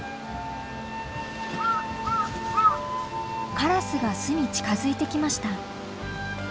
カラスが巣に近づいてきました。